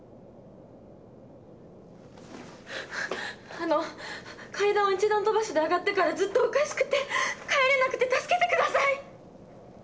あの階段を１段飛ばしで上がってからずっとおかしくて帰れなくて助けて下さい！